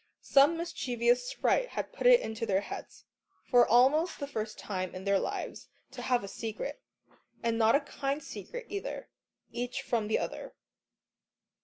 Some mischievous sprite had put it into their heads, for almost the first time in their lives, to have a secret, and not a kind secret either, each from the other.